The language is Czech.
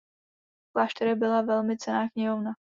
V klášteře byla velmi cenná knihovna.